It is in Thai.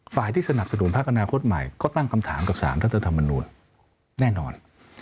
ที่สนับสนุนพักอนาคตใหม่ก็ตั้งคำถามกับสารรัฐธรรมนูลแน่นอน